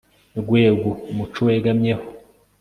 rwego umuco wegamyeho